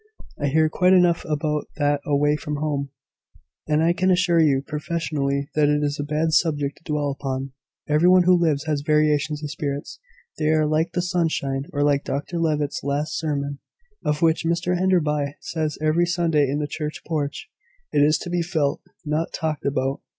"I hear quite enough about that away from home; and I can assure you, professionally, that it is a bad subject to dwell upon. Every one who lives has variations of spirits: they are like the sunshine, or like Dr Levitt's last sermon, of which Mrs Enderby says every Sunday in the church porch `It is to be felt, not talked about.'"